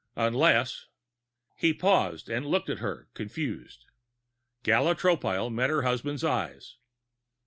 "Unless " He paused and looked at her, confused. Gala Tropile met her husband's eyes.